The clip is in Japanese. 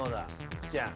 福ちゃん。